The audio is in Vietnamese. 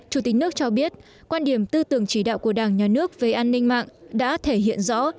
chủ tịch nước cho biết quan điểm tư tưởng chỉ đạo của đảng nhà nước về an ninh mạng đã thể hiện rõ